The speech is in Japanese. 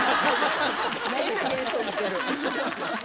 変な現象起きてる。